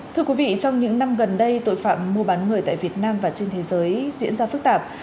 thưa quý vị trong những năm gần đây tội phạm mua bán người tại việt nam và trên thế giới diễn ra phức tạp